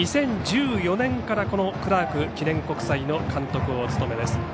２０１４年からクラーク記念国際の監督をお務めです。